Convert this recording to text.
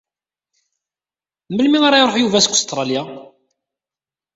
Melmi ara iṛuḥ Yuba seg Ustṛalya?